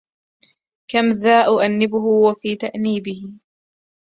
كم ذا أؤنبه وفي تأنبيه